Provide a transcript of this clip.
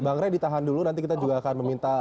bang ray ditahan dulu nanti kita juga akan meminta